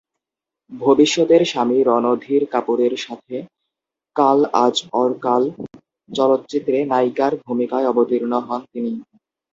ভবিষ্যতের স্বামী রণধীর কাপুরের সাথে কাল আজ অউর কাল চলচ্চিত্রে নায়িকার ভূমিকায় অবতীর্ণ হন তিনি।